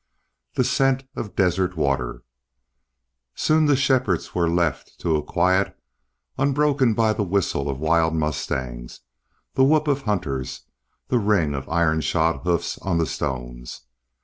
THE SCENT OF DESERT WATER SOON the shepherds were left to a quiet unbroken by the whistle of wild mustangs, the whoop of hunters, the ring of iron shod hoofs on the stones.